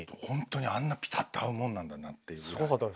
本当にあんなピタッと合うもんなんだなっていうぐらい。